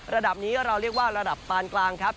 ระดับนี้เราเรียกว่าระดับปานกลางครับ